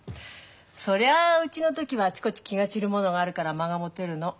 そりゃうちの時はあちこち気が散るものがあるから間がもてるの。